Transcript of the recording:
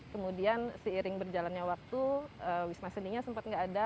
kemudian seiring berjalannya waktu wisma seni nya sempat tidak ada